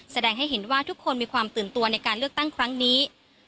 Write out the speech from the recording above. แสดงให้เห็นว่าทุกคนมีความตื่นตัวในการเลือกตั้งครั้งนี้